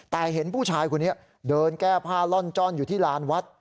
แต่เห็นผู้ชายคนนี้เดินแก้ผ้าล่อนจ้อนอยู่ที่ลานวัด